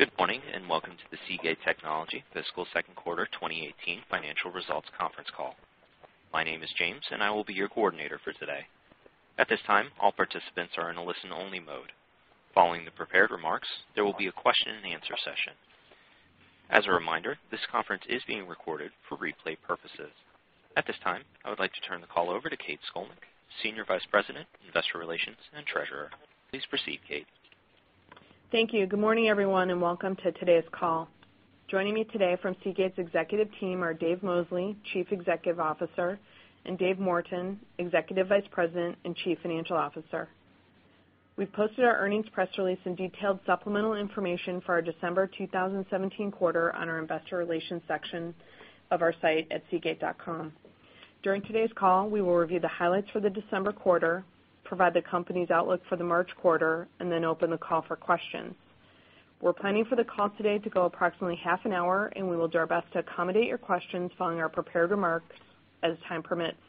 Good morning, welcome to the Seagate Technology fiscal second quarter 2018 financial results conference call. My name is James, and I will be your coordinator for today. At this time, all participants are in a listen-only mode. Following the prepared remarks, there will be a question and answer session. As a reminder, this conference is being recorded for replay purposes. At this time, I would like to turn the call over to Kate Scolnick, Senior Vice President, Investor Relations, and Treasurer. Please proceed, Kate. Thank you. Good morning, everyone, welcome to today's call. Joining me today from Seagate's executive team are Dave Mosley, Chief Executive Officer, and Dave Morton, Executive Vice President and Chief Financial Officer. We've posted our earnings press release and detailed supplemental information for our December 2017 quarter on our investor relations section of our site at seagate.com. During today's call, we will review the highlights for the December quarter, provide the company's outlook for the March quarter, then open the call for questions. We're planning for the call today to go approximately half an hour, we will do our best to accommodate your questions following our prepared remarks as time permits.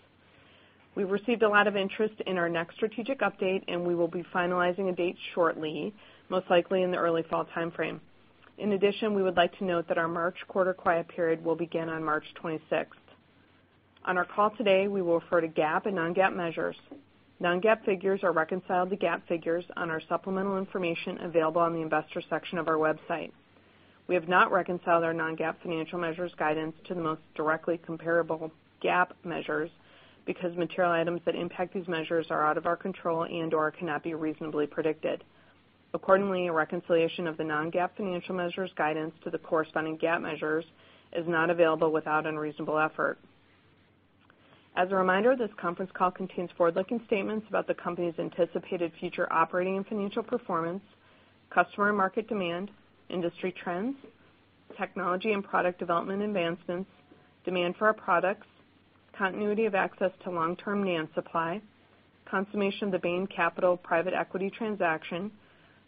We've received a lot of interest in our next strategic update, we will be finalizing a date shortly, most likely in the early fall timeframe. In addition, we would like to note that our March quarter quiet period will begin on March 26th. On our call today, we will refer to GAAP and non-GAAP measures. Non-GAAP figures are reconciled to GAAP figures on our supplemental information available on the investor section of our website. We have not reconciled our non-GAAP financial measures guidance to the most directly comparable GAAP measures, because material items that impact these measures are out of our control and/or cannot be reasonably predicted. Accordingly, a reconciliation of the non-GAAP financial measures guidance to the corresponding GAAP measures is not available without unreasonable effort. As a reminder, this conference call contains forward-looking statements about the company's anticipated future operating and financial performance, customer and market demand, industry trends, technology and product development advancements, demand for our products, continuity of access to long-term NAND supply, consummation of the Bain Capital private equity transaction,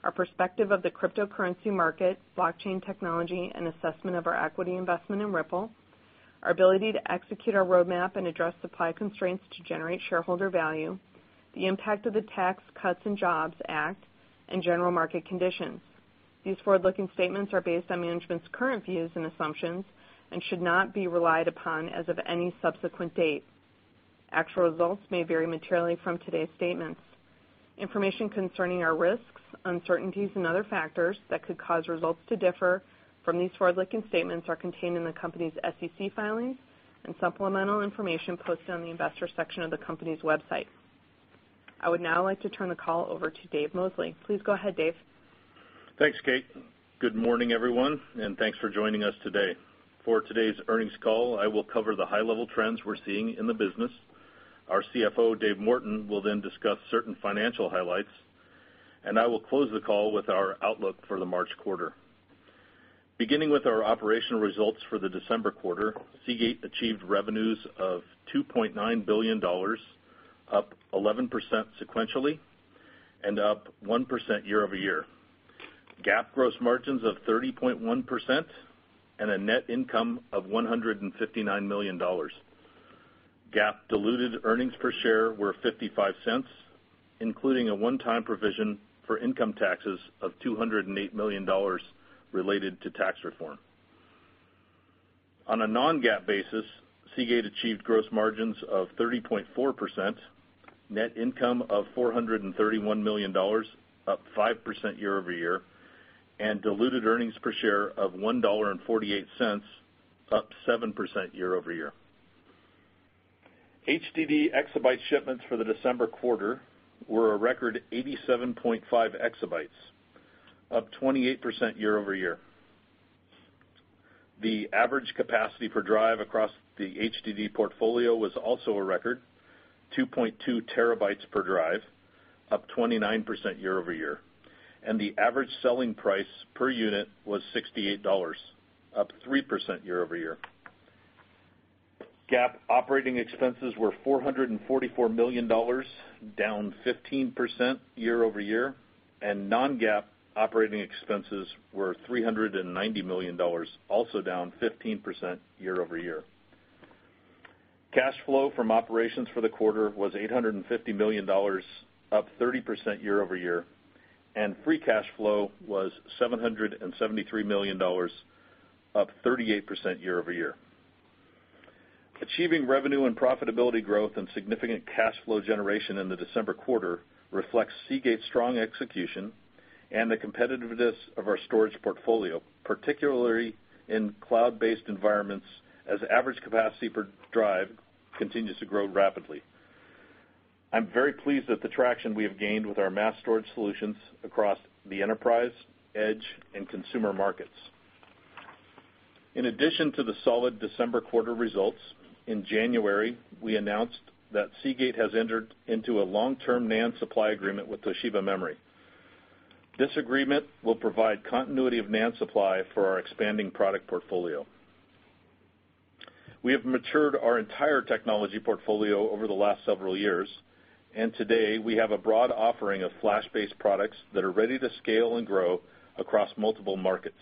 our perspective of the cryptocurrency market, blockchain technology, assessment of our equity investment in Ripple, our ability to execute our roadmap and address supply constraints to generate shareholder value, the impact of the Tax Cuts and Jobs Act, and general market conditions. These forward-looking statements are based on management's current views and assumptions and should not be relied upon as of any subsequent date. Actual results may vary materially from today's statements. Information concerning our risks, uncertainties, and other factors that could cause results to differ from these forward-looking statements are contained in the company's SEC filings and supplemental information posted on the investor section of the company's website. I would now like to turn the call over to Dave Mosley. Please go ahead, Dave. Thanks, Kate. Good morning, everyone. Thanks for joining us today. For today's earnings call, I will cover the high-level trends we're seeing in the business. Our CFO, Dave Morton, will then discuss certain financial highlights. I will close the call with our outlook for the March quarter. Beginning with our operational results for the December quarter, Seagate achieved revenues of $2.9 billion, up 11% sequentially and up 1% year-over-year. GAAP gross margins of 30.1%. A net income of $159 million. GAAP diluted earnings per share were $0.55, including a one-time provision for income taxes of $208 million related to tax reform. On a non-GAAP basis, Seagate achieved gross margins of 30.4%, net income of $431 million, up 5% year-over-year, and diluted earnings per share of $1.48, up 7% year-over-year. HDD exabyte shipments for the December quarter were a record 87.5 exabytes, up 28% year-over-year. The average capacity per drive across the HDD portfolio was also a record 2.2 terabytes per drive, up 29% year-over-year. The average selling price per unit was $68, up 3% year-over-year. GAAP operating expenses were $444 million, down 15% year-over-year. Non-GAAP operating expenses were $390 million, also down 15% year-over-year. Cash flow from operations for the quarter was $850 million, up 30% year-over-year. Free cash flow was $773 million, up 38% year-over-year. Achieving revenue and profitability growth and significant cash flow generation in the December quarter reflects Seagate's strong execution and the competitiveness of our storage portfolio, particularly in cloud-based environments, as average capacity per drive continues to grow rapidly. I'm very pleased with the traction we have gained with our mass storage solutions across the enterprise, edge, and consumer markets. In addition to the solid December quarter results, in January, we announced that Seagate has entered into a long-term NAND supply agreement with Toshiba Memory. This agreement will provide continuity of NAND supply for our expanding product portfolio. We have matured our entire technology portfolio over the last several years. Today, we have a broad offering of flash-based products that are ready to scale and grow across multiple markets.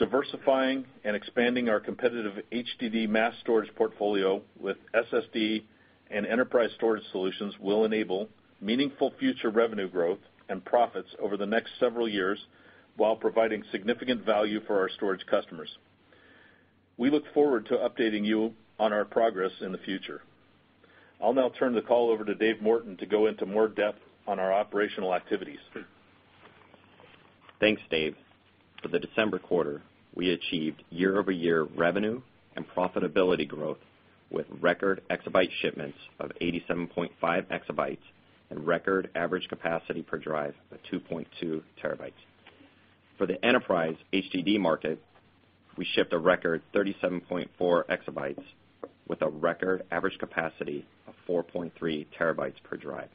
Diversifying and expanding our competitive HDD mass storage portfolio with SSD and enterprise storage solutions will enable meaningful future revenue growth and profits over the next several years, while providing significant value for our storage customers. We look forward to updating you on our progress in the future. I'll now turn the call over to Dave Morton to go into more depth on our operational activities. Thanks, Dave. For the December quarter, we achieved year-over-year revenue and profitability growth with record exabyte shipments of 87.5 exabytes and record average capacity per drive of 2.2 terabytes. For the enterprise HDD market, we shipped a record 37.4 exabytes with a record average capacity of 4.3 terabytes per drive.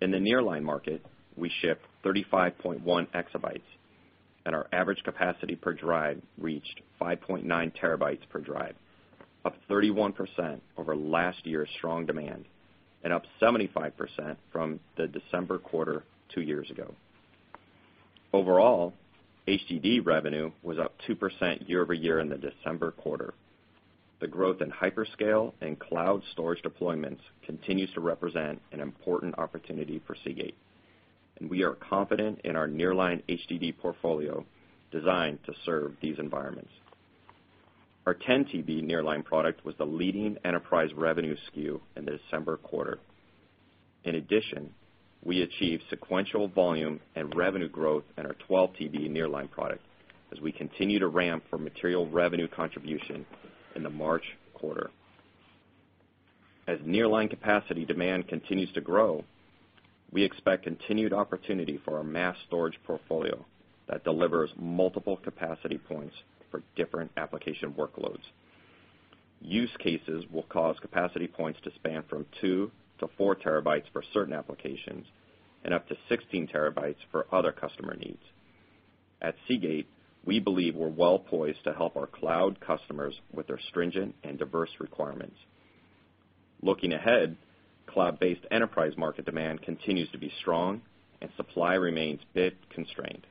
In the nearline market, we shipped 35.1 exabytes, and our average capacity per drive reached 5.9 terabytes per drive, up 31% over last year's strong demand and up 75% from the December quarter two years ago. Overall, HDD revenue was up 2% year-over-year in the December quarter. The growth in hyperscale and cloud storage deployments continues to represent an important opportunity for Seagate, and we are confident in our nearline HDD portfolio designed to serve these environments. Our 10 TB nearline product was the leading enterprise revenue SKU in the December quarter. In addition, we achieved sequential volume and revenue growth in our 12 TB nearline product as we continue to ramp for material revenue contribution in the March quarter. As nearline capacity demand continues to grow, we expect continued opportunity for our mass storage portfolio that delivers multiple capacity points for different application workloads. Use cases will cause capacity points to span from two to four terabytes for certain applications and up to 16 terabytes for other customer needs. At Seagate, we believe we're well-poised to help our cloud customers with their stringent and diverse requirements. Looking ahead, cloud-based enterprise market demand continues to be strong and supply remains bit constrained.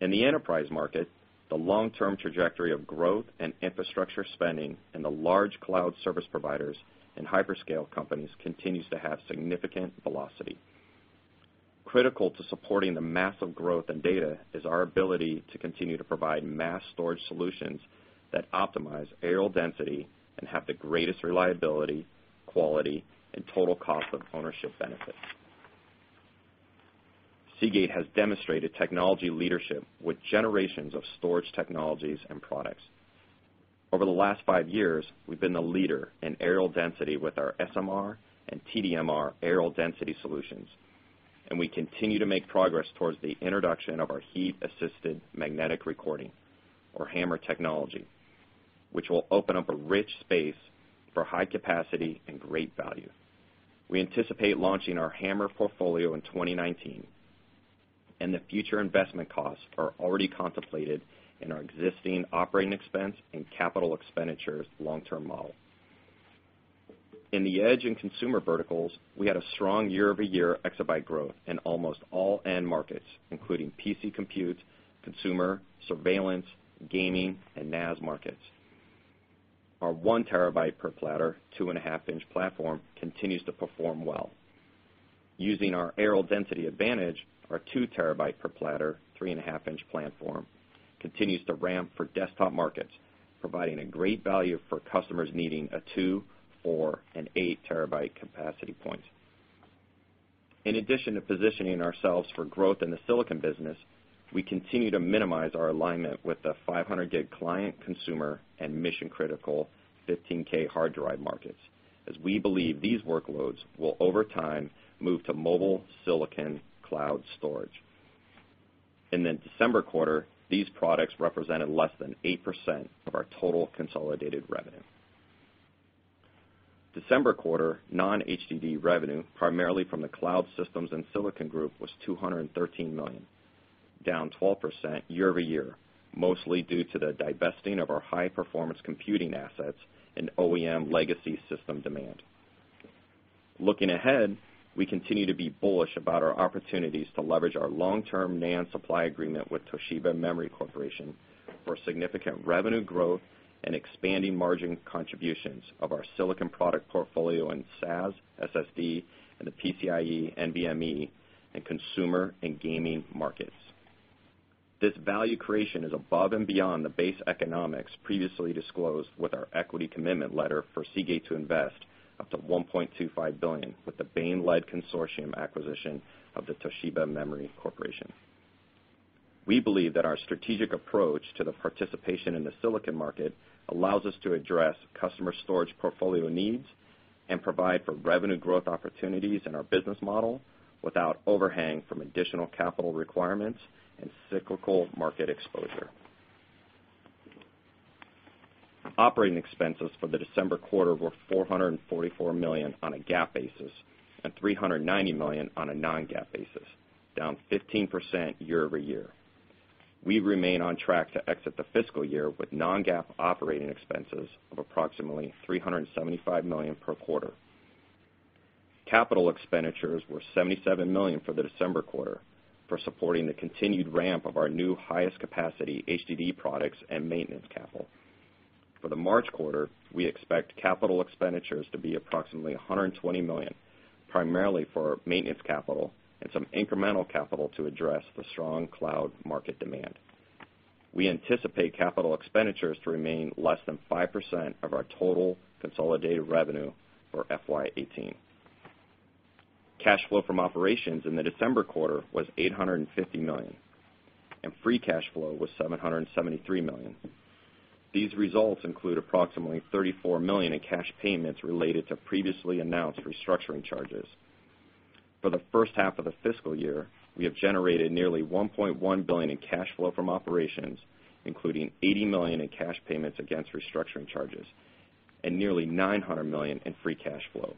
In the enterprise market, the long-term trajectory of growth and infrastructure spending in the large cloud service providers and hyperscale companies continues to have significant velocity. Critical to supporting the massive growth in data is our ability to continue to provide mass storage solutions that optimize areal density and have the greatest reliability, quality, and total cost of ownership benefits. Seagate has demonstrated technology leadership with generations of storage technologies and products. Over the last five years, we've been the leader in areal density with our SMR and TDMR areal density solutions, and we continue to make progress towards the introduction of our heat-assisted magnetic recording, or HAMR technology, which will open up a rich space for high capacity and great value. We anticipate launching our HAMR portfolio in 2019, and the future investment costs are already contemplated in our existing operating expense and capital expenditures long-term model. In the edge and consumer verticals, we had a strong year-over-year exabyte growth in almost all end markets, including PC compute, consumer, surveillance, gaming, and NAS markets. Our one terabyte per platter, two-and-a-half inch platform continues to perform well. Using our areal density advantage, our two terabyte per platter, three-and-a-half inch platform continues to ramp for desktop markets, providing a great value for customers needing a two-, four-, and eight-terabyte capacity point. In addition to positioning ourselves for growth in the silicon business, we continue to minimize our alignment with the 500 GB client consumer and mission-critical 15K hard drive markets, as we believe these workloads will, over time, move to mobile silicon cloud storage. In the December quarter, these products represented less than 8% of our total consolidated revenue. December quarter non-HDD revenue, primarily from the Cloud Systems and Solutions, was $213 million, down 12% year-over-year, mostly due to the divesting of our high-performance computing assets and OEM legacy system demand. Looking ahead, we continue to be bullish about our opportunities to leverage our long-term NAND supply agreement with Toshiba Memory Corporation for significant revenue growth and expanding margin contributions of our silicon product portfolio in SAS, SSD, and the PCIe, NVMe, and consumer and gaming markets. This value creation is above and beyond the base economics previously disclosed with our equity commitment letter for Seagate to invest up to $1.25 billion with the Bain-led consortium acquisition of the Toshiba Memory Corporation. We believe that our strategic approach to the participation in the silicon market allows us to address customer storage portfolio needs and provide for revenue growth opportunities in our business model without overhang from additional capital requirements and cyclical market exposure. Operating expenses for the December quarter were $444 million on a GAAP basis and $390 million on a non-GAAP basis, down 15% year-over-year. We remain on track to exit the fiscal year with non-GAAP operating expenses of approximately $375 million per quarter. Capital expenditures were $77 million for the December quarter for supporting the continued ramp of our new highest capacity HDD products and maintenance capital. For the March quarter, we expect capital expenditures to be approximately $120 million, primarily for maintenance capital and some incremental capital to address the strong cloud market demand. We anticipate capital expenditures to remain less than 5% of our total consolidated revenue for FY 2018. Cash flow from operations in the December quarter was $850 million, and free cash flow was $773 million. These results include approximately $34 million in cash payments related to previously announced restructuring charges. For the first half of the fiscal year, we have generated nearly $1.1 billion in cash flow from operations, including $80 million in cash payments against restructuring charges, and nearly $900 million in free cash flow.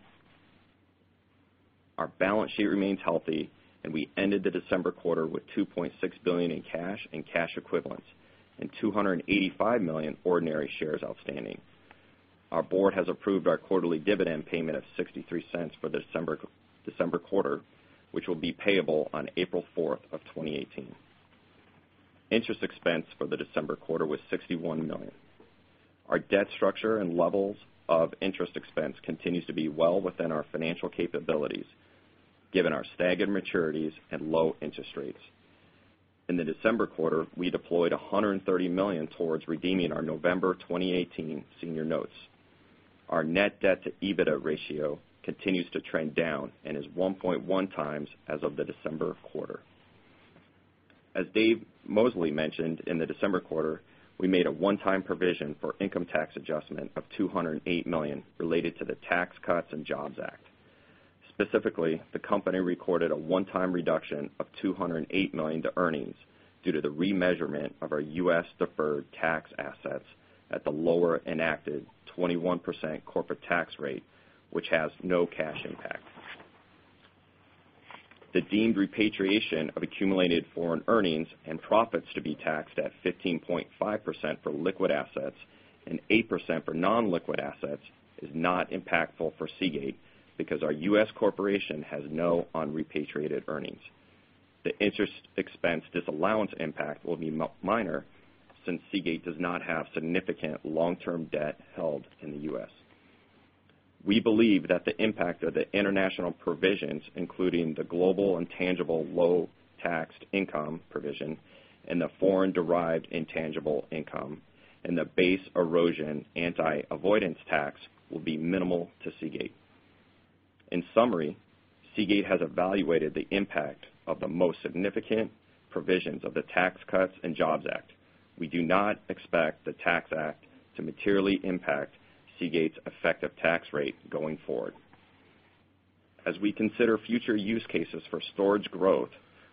Our balance sheet remains healthy, and we ended the December quarter with $2.6 billion in cash and cash equivalents and 285 million ordinary shares outstanding. Our board has approved our quarterly dividend payment of $0.63 for the December quarter, which will be payable on April 4, 2018. Interest expense for the December quarter was $61 million. Our debt structure and levels of interest expense continues to be well within our financial capabilities, given our staggered maturities and low interest rates. In the December quarter, we deployed $130 million towards redeeming our November 2018 senior notes. Our net debt to EBITDA ratio continues to trend down and is 1.1 times as of the December quarter. As Dave Mosley mentioned, in the December quarter, we made a one-time provision for income tax adjustment of $208 million related to the Tax Cuts and Jobs Act. Specifically, the company recorded a one-time reduction of $208 million to earnings due to the remeasurement of our U.S. deferred tax assets at the lower enacted 21% corporate tax rate, which has no cash impact. The deemed repatriation of accumulated foreign earnings and profits to be taxed at 15.5% for liquid assets and 8% for non-liquid assets is not impactful for Seagate because our U.S. corporation has no unrepatriated earnings. The interest expense disallowance impact will be minor since Seagate does not have significant long-term debt held in the U.S. We believe that the impact of the international provisions, including the global intangible low-taxed income provision and the foreign-derived intangible income, and the base erosion and anti-abuse tax will be minimal to Seagate. In summary, Seagate has evaluated the impact of the most significant provisions of the Tax Cuts and Jobs Act. We do not expect the Tax Act to materially impact Seagate's effective tax rate going forward. As we consider future use cases for storage growth,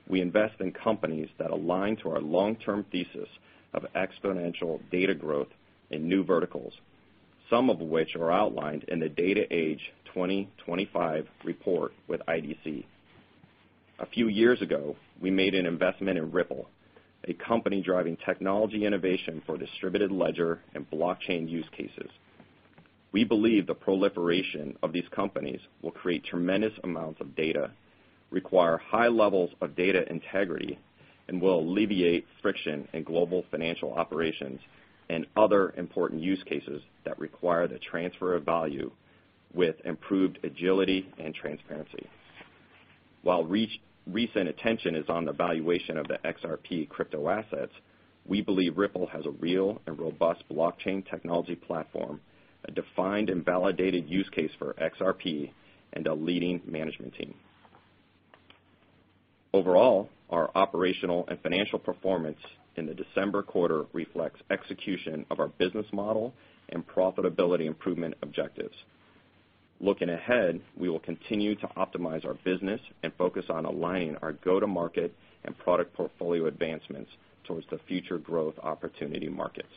we invest in companies that align to our long-term thesis of exponential data growth in new verticals, some of which are outlined in the Data Age 2025 report with IDC. A few years ago, we made an investment in Ripple, a company driving technology innovation for distributed ledger and blockchain use cases. We believe the proliferation of these companies will create tremendous amounts of data, require high levels of data integrity, and will alleviate friction in global financial operations and other important use cases that require the transfer of value with improved agility and transparency. While recent attention is on the valuation of the XRP crypto assets, we believe Ripple has a real and robust blockchain technology platform, a defined and validated use case for XRP, and a leading management team. Overall, our operational and financial performance in the December quarter reflects execution of our business model and profitability improvement objectives. Looking ahead, we will continue to optimize our business and focus on aligning our go-to-market and product portfolio advancements towards the future growth opportunity markets.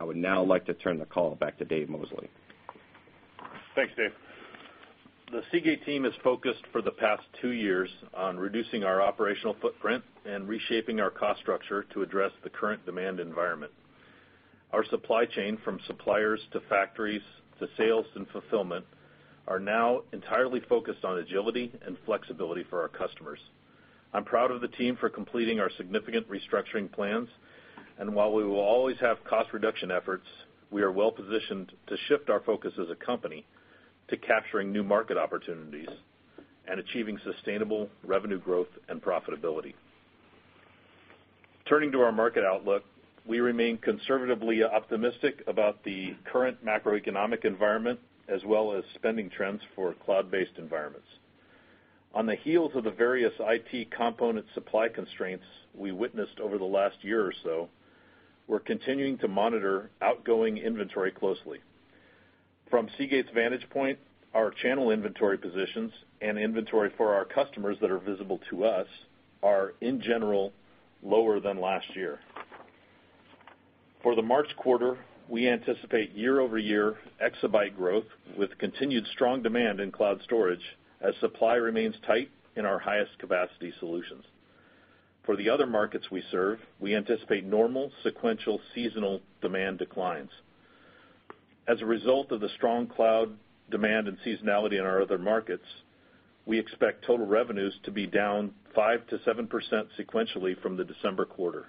I would now like to turn the call back to Dave Mosley. Thanks, Dave. The Seagate team is focused for the past two years on reducing our operational footprint and reshaping our cost structure to address the current demand environment. Our supply chain, from suppliers to factories to sales and fulfillment, are now entirely focused on agility and flexibility for our customers. I'm proud of the team for completing our significant restructuring plans, and while we will always have cost reduction efforts, we are well-positioned to shift our focus as a company to capturing new market opportunities and achieving sustainable revenue growth and profitability. Turning to our market outlook, we remain conservatively optimistic about the current macroeconomic environment as well as spending trends for cloud-based environments. On the heels of the various IT component supply constraints we witnessed over the last year or so, we're continuing to monitor outgoing inventory closely. From Seagate's vantage point, our channel inventory positions and inventory for our customers that are visible to us are, in general, lower than last year. For the March quarter, we anticipate year-over-year exabyte growth with continued strong demand in cloud storage as supply remains tight in our highest capacity solutions. For the other markets we serve, we anticipate normal sequential seasonal demand declines. As a result of the strong cloud demand and seasonality in our other markets, we expect total revenues to be down 5%-7% sequentially from the December quarter.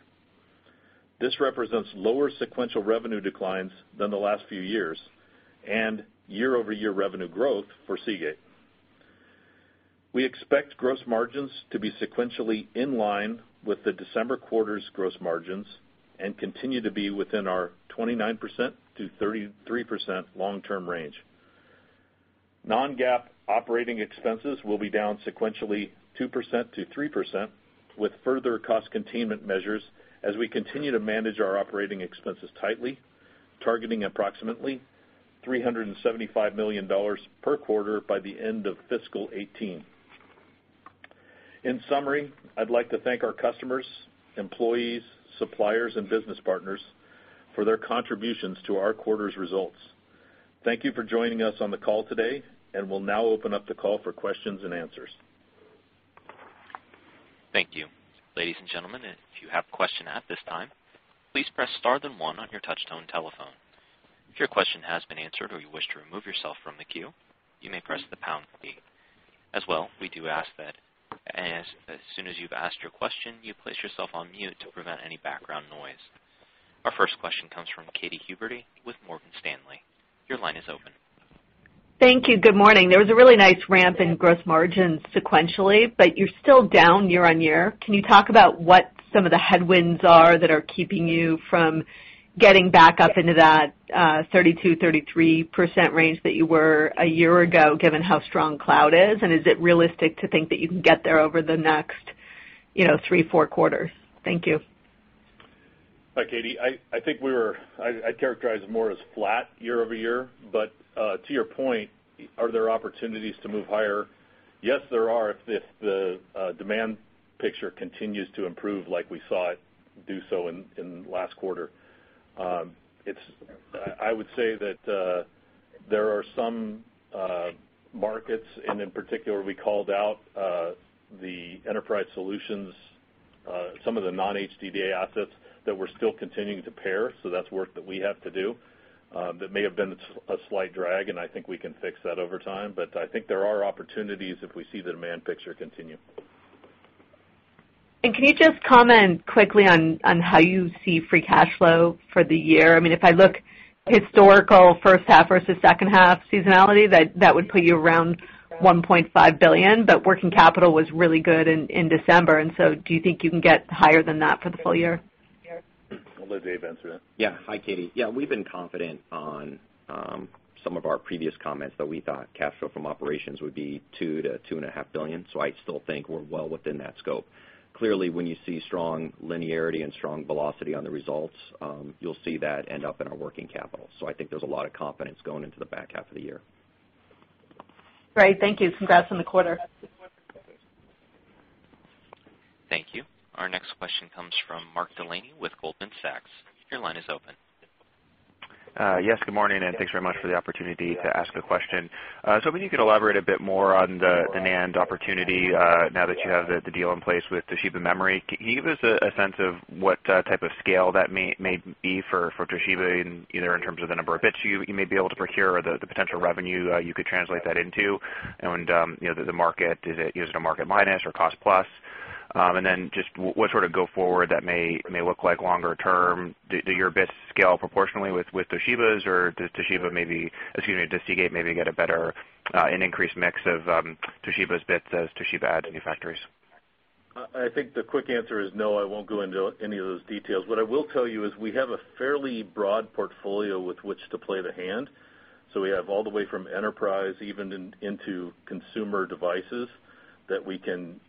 This represents lower sequential revenue declines than the last few years, and year-over-year revenue growth for Seagate. We expect gross margins to be sequentially in line with the December quarter's gross margins and continue to be within our 29%-33% long-term range. Non-GAAP operating expenses will be down sequentially 2%-3%, with further cost containment measures as we continue to manage our operating expenses tightly, targeting approximately $375 million per quarter by the end of fiscal 2018. In summary, I'd like to thank our customers, employees, suppliers, and business partners for their contributions to our quarter's results. Thank you for joining us on the call today, we'll now open up the call for questions and answers. Thank you. Ladies and gentlemen, if you have a question at this time, please press star then one on your touch-tone telephone. If your question has been answered or you wish to remove yourself from the queue, you may press the pound key. We do ask that as soon as you've asked your question, you place yourself on mute to prevent any background noise. Our first question comes from Katy Huberty with Morgan Stanley. Your line is open. Thank you. Good morning. There was a really nice ramp in gross margin sequentially, but you're still down year-on-year. Can you talk about what some of the headwinds are that are keeping you from getting back up into that 32%-33% range that you were a year ago, given how strong cloud is? Is it realistic to think that you can get there over the next three, four quarters? Thank you. Hi, Katy. I think I'd characterize it more as flat year-over-year, but to your point, are there opportunities to move higher? Yes, there are, if the demand picture continues to improve like we saw it do so in last quarter. I would say that there are some markets, and in particular, we called out the enterprise solutions, some of the non-HDD assets that we're still continuing to pair. That's work that we have to do that may have been a slight drag, and I think we can fix that over time. I think there are opportunities if we see the demand picture continue. Can you just comment quickly on how you see free cash flow for the year? If I look historical first half versus second half seasonality, that would put you around $1.5 billion, working capital was really good in December, do you think you can get higher than that for the full year? I'll let Dave answer that. Hi, Katy. We've been confident on some of our previous comments that we thought cash flow from operations would be $2 billion to $2.5 billion, I still think we're well within that scope. Clearly, when you see strong linearity and strong velocity on the results, you'll see that end up in our working capital. I think there's a lot of confidence going into the back half of the year. Great. Thank you. Congrats on the quarter. Thank you. Our next question comes from Mark Delaney with Goldman Sachs. Your line is open. Yes, good morning, thanks very much for the opportunity to ask a question. I wonder if you could elaborate a bit more on the NAND opportunity now that you have the deal in place with Toshiba Memory. Can you give us a sense of what type of scale that may be for Toshiba, either in terms of the number of bits you may be able to procure or the potential revenue you could translate that into? And the market, is it a market minus or cost plus? Then just what sort of go forward that may look like longer term. Do your bits scale proportionally with Toshiba's, or does Seagate maybe get an increased mix of Toshiba's bits as Toshiba adds new factories? I think the quick answer is no, I won't go into any of those details. What I will tell you is we have a fairly broad portfolio with which to play the hand. We have all the way from enterprise even into consumer devices that we can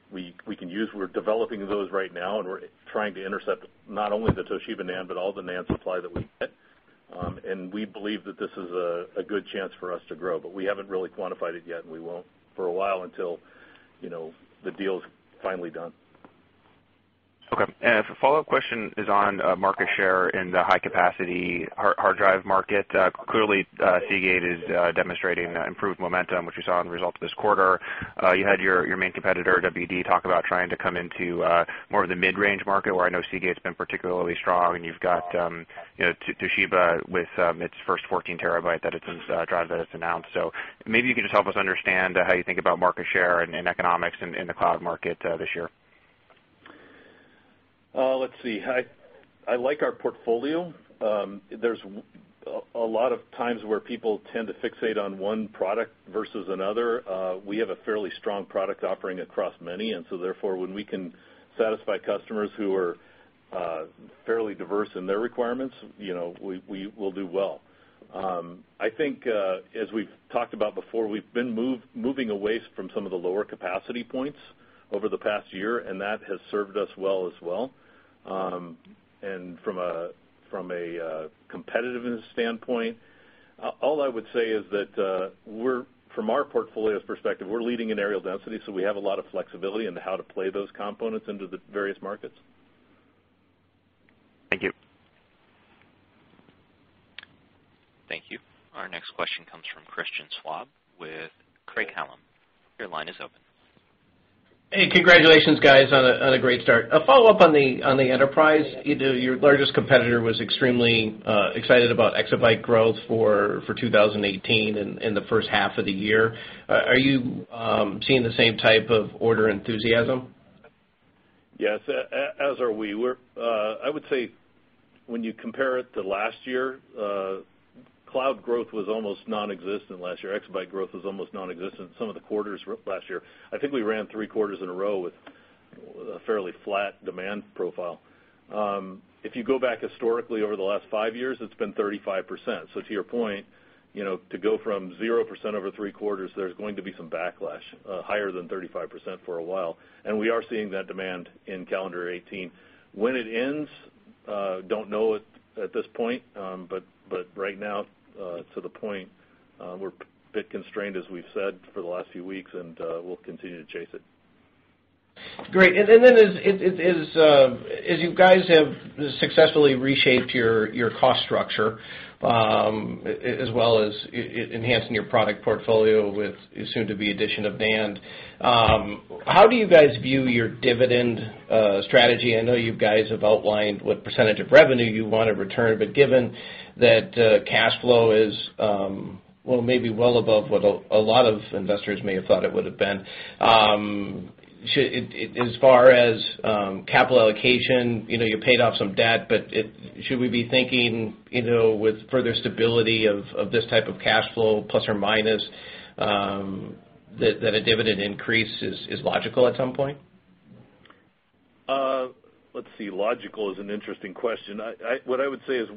use. We're developing those right now, and we're trying to intercept not only the Toshiba NAND, but all the NAND supply that we get. We believe that this is a good chance for us to grow, but we haven't really quantified it yet, and we won't for a while until the deal's finally done. A follow-up question is on market share in the high-capacity hard drive market. Clearly, Seagate is demonstrating improved momentum, which we saw in the results of this quarter. You had your main competitor, WD, talk about trying to come into more of the mid-range market where I know Seagate's been particularly strong, and you've got Toshiba with its first 14 terabyte drive that it's announced. Maybe you can just help us understand how you think about market share and economics in the cloud market this year. Let's see. I like our portfolio. There's a lot of times where people tend to fixate on one product versus another. We have a fairly strong product offering across many. Therefore, when we can satisfy customers who are fairly diverse in their requirements, we'll do well. I think, as we've talked about before, we've been moving away from some of the lower capacity points over the past year. That has served us well as well. From a competitiveness standpoint, all I would say is that from our portfolio's perspective, we're leading in areal density, so we have a lot of flexibility in how to play those components into the various markets. Thank you. Thank you. Our next question comes from Christian Schwab with Craig-Hallum. Your line is open. Hey, congratulations guys on a great start. A follow-up on the enterprise. Your largest competitor was extremely excited about exabyte growth for 2018 in the first half of the year. Are you seeing the same type of order enthusiasm? Yes. As are we. I would say when you compare it to last year, cloud growth was almost nonexistent last year. Exabyte growth was almost nonexistent some of the quarters last year. I think we ran three quarters in a row with a fairly flat demand profile. If you go back historically over the last five years, it's been 35%. To your point, to go from 0% over three quarters, there's going to be some backlash, higher than 35% for a while. We are seeing that demand in calendar 2018. When it ends, don't know at this point. Right now, to the point, we're a bit constrained as we've said for the last few weeks, and we'll continue to chase it. Great. As you guys have successfully reshaped your cost structure, as well as enhancing your product portfolio with soon-to-be addition of NAND, how do you guys view your dividend strategy? I know you guys have outlined what percentage of revenue you want to return, but given that cash flow is, well, maybe well above what a lot of investors may have thought it would've been. As far as capital allocation, you paid off some debt, but should we be thinking, with further stability of this type of cash flow, plus or minus, that a dividend increase is logical at some point? Let's see. Logical is an interesting question. What I would say is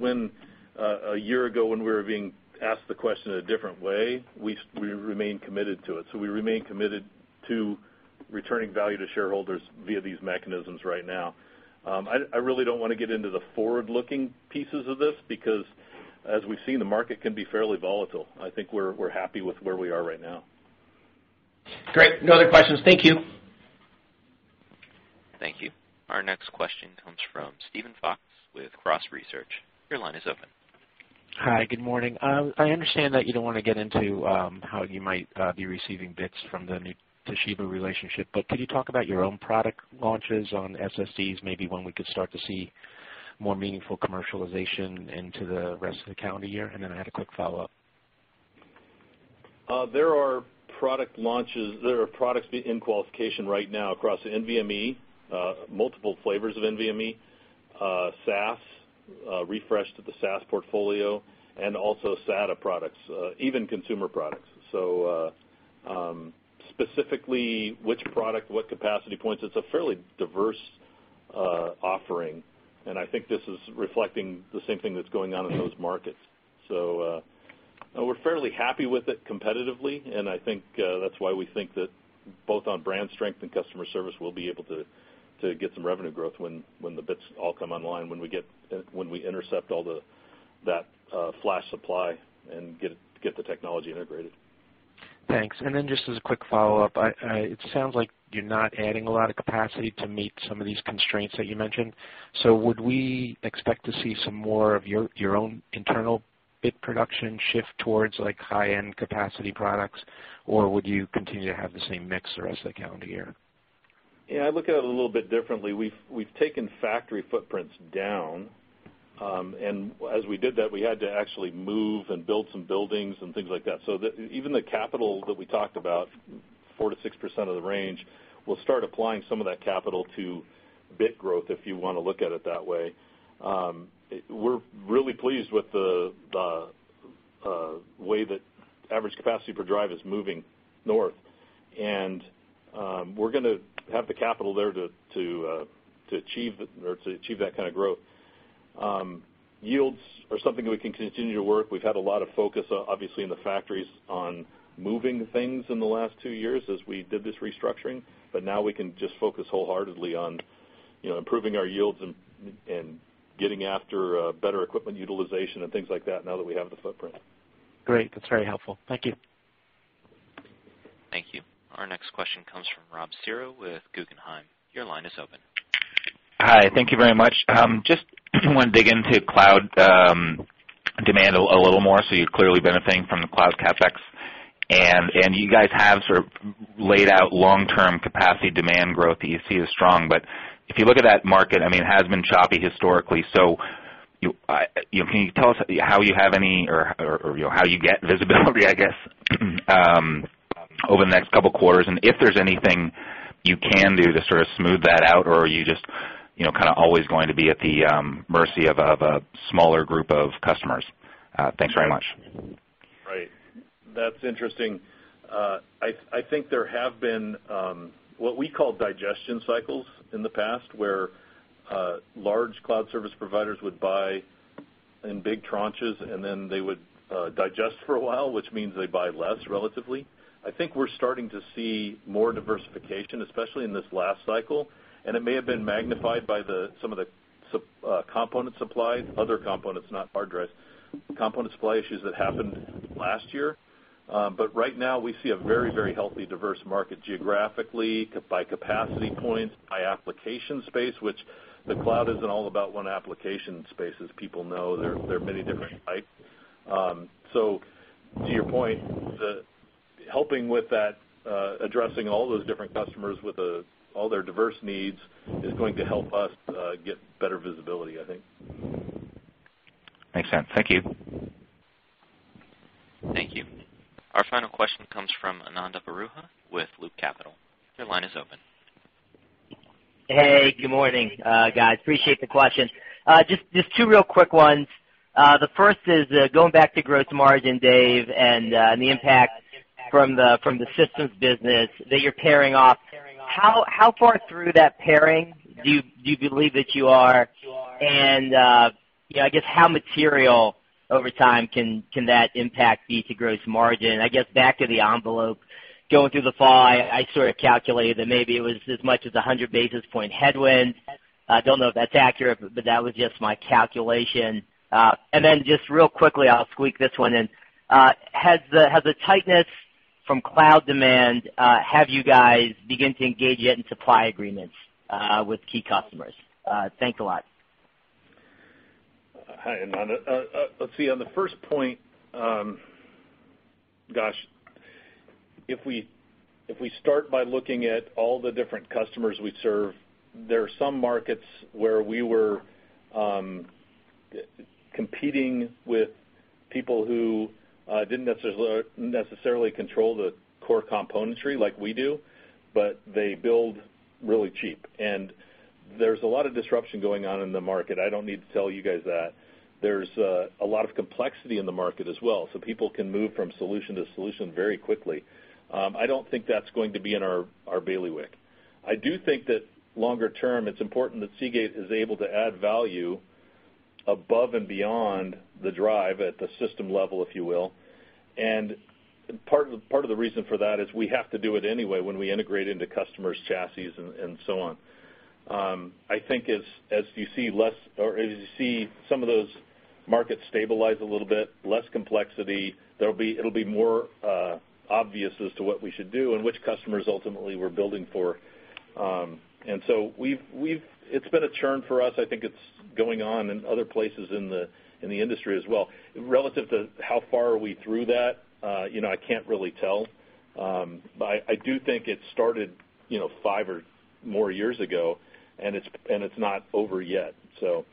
a year ago, when we were being asked the question a different way, we remain committed to it. We remain committed to returning value to shareholders via these mechanisms right now. I really don't want to get into the forward-looking pieces of this, because as we've seen, the market can be fairly volatile. I think we're happy with where we are right now. Great. No other questions. Thank you. Thank you. Our next question comes from Steven Fox with Cross Research. Your line is open. Hi, good morning. I understand that you don't want to get into how you might be receiving bits from the new Toshiba relationship, but could you talk about your own product launches on SSDs, maybe when we could start to see more meaningful commercialization into the rest of the calendar year? Then I had a quick follow-up. There are products in qualification right now across NVMe, multiple flavors of NVMe, SAS, refresh to the SAS portfolio, and also SATA products, even consumer products. Specifically which product, what capacity points, it's a fairly diverse offering, and I think this is reflecting the same thing that's going on in those markets. We're fairly happy with it competitively, and I think that's why we think that both on brand strength and customer service, we'll be able to get some revenue growth when the bits all come online, when we intercept all that flash supply and get the technology integrated. Thanks. Just as a quick follow-up. It sounds like you're not adding a lot of capacity to meet some of these constraints that you mentioned. Would we expect to see some more of your own internal bit production shift towards high-end capacity products? Would you continue to have the same mix the rest of the calendar year? Yeah, I look at it a little bit differently. We've taken factory footprints down, and as we did that, we had to actually move and build some buildings and things like that. Even the capital that we talked about, 4%-6% of the range, we'll start applying some of that capital to bit growth, if you want to look at it that way. We're really pleased with the way that average capacity per drive is moving north. We're going to have the capital there to achieve that kind of growth. Yields are something that we can continue to work. We've had a lot of focus, obviously, in the factories on moving things in the last two years as we did this restructuring, but now we can just focus wholeheartedly on improving our yields and getting after better equipment utilization and things like that now that we have the footprint. Great. That's very helpful. Thank you. Thank you. Our next question comes from Rob Cihra with Guggenheim. Your line is open. Hi. Thank you very much. Just want to dig into cloud demand a little more. You're clearly benefiting from the cloud CapEx. You guys have sort of laid out long-term capacity demand growth that you see is strong. If you look at that market, it has been choppy historically. Can you tell us how you have any, or how you get visibility I guess, over the next couple of quarters, and if there's anything you can do to sort of smooth that out, or are you just always going to be at the mercy of a smaller group of customers? Thanks very much. Right. That's interesting. I think there have been what we call digestion cycles in the past, where large cloud service providers would buy in big tranches, they would digest for a while, which means they buy less relatively. I think we're starting to see more diversification, especially in this last cycle, it may have been magnified by some of the component supply, other components, not hard drives, component supply issues that happened last year. Right now we see a very healthy, diverse market geographically, by capacity points, by application space, which the cloud isn't all about one application space, as people know. There are many different types. To your point, helping with that, addressing all those different customers with all their diverse needs is going to help us get better visibility, I think. Makes sense. Thank you. Thank you. Our final question comes from Ananda Baruah with Loop Capital. Your line is open. Hey, good morning, guys. Appreciate the questions. Just two real quick ones. The first is going back to gross margin, Dave, and the impact from the systems business that you're pairing off. How far through that pairing do you believe that you are? I guess how material over time can that impact be to gross margin? I guess back of the envelope, going through the fall, I sort of calculated that maybe it was as much as 100 basis point headwind. I don't know if that's accurate, but that was just my calculation. Just real quickly, I'll squeak this one in. Has the tightness from cloud demand had you guys begin to engage yet in supply agreements with key customers? Thanks a lot. Hi, Ananda. Let's see. On the first point, gosh, if we start by looking at all the different customers we serve, there are some markets where we were competing with people who didn't necessarily control the core componentry like we do, but they build really cheap. There's a lot of disruption going on in the market. I don't need to tell you guys that. There's a lot of complexity in the market as well, so people can move from solution to solution very quickly. I don't think that's going to be in our bailiwick. I do think that longer term, it's important that Seagate is able to add value above and beyond the drive at the system level, if you will. Part of the reason for that is we have to do it anyway when we integrate into customers' chassis and so on. I think as you see some of those markets stabilize a little bit, less complexity, it'll be more obvious as to what we should do and which customers ultimately we're building for. It's been a churn for us. I think it's going on in other places in the industry as well. Relative to how far are we through that, I can't really tell. I do think it started five or more years ago, and it's not over yet. We're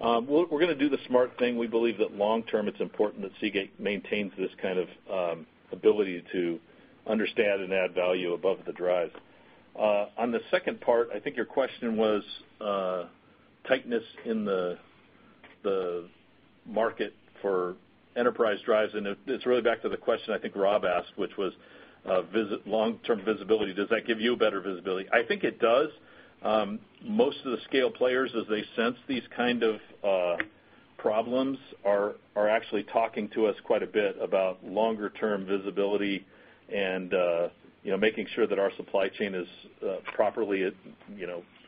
going to do the smart thing. We believe that long term, it's important that Seagate maintains this kind of ability to understand and add value above the drive. On the second part, I think your question was tightness in the market for enterprise drives, it's really back to the question I think Rob asked, which was long-term visibility. Does that give you better visibility? I think it does. Most of the scale players, as they sense these kind of problems, are actually talking to us quite a bit about longer-term visibility and making sure that our supply chain is properly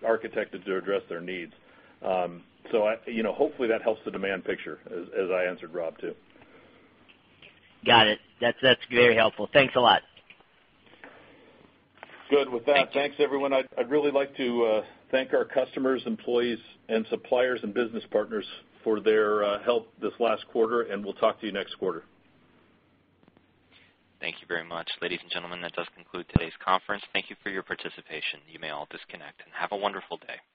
architected to address their needs. Hopefully that helps the demand picture, as I answered Rob, too. Got it. That's very helpful. Thanks a lot. Good with that. Thanks, everyone. I'd really like to thank our customers, employees, and suppliers and business partners for their help this last quarter, and we'll talk to you next quarter. Thank you very much. Ladies and gentlemen, that does conclude today's conference. Thank you for your participation. You may all disconnect and have a wonderful day.